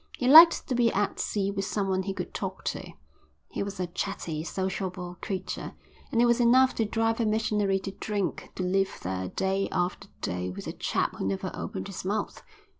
He liked to be at sea with someone he could talk to, he was a chatty, sociable creature, and it was enough to drive a missionary to drink to live there day after day with a chap who never opened his mouth.